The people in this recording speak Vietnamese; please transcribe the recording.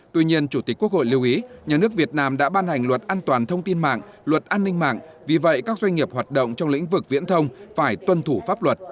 tuy nhiên chủ tịch quốc hội lưu ý nhà nước việt nam đã ban hành luật an toàn thông tin mạng luật an ninh mạng vì vậy các doanh nghiệp hoạt động trong lĩnh vực viễn thông phải tuân thủ pháp luật